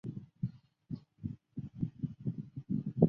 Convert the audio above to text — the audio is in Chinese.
县治切斯特菲尔德。